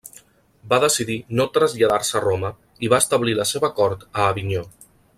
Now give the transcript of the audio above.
Va decidir no traslladar-se a Roma i va establir la seva cort a Avinyó.